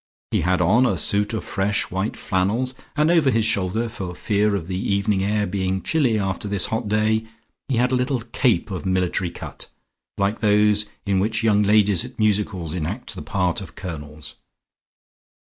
He had on a suit of fresh white flannels and over his shoulders, for fear of the evening air being chilly after this hot day, he had a little cape of a military cut, like those in which young ladies at music halls enact the part of colonels.